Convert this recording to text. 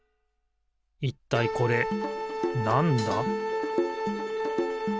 いったいこれなんだ？